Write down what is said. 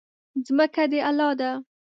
ځمکه د الله ده.